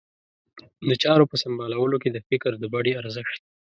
د چارو په سمبالولو کې د فکر د بڼې ارزښت.